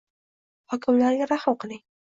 Hokimlarga rahm qiling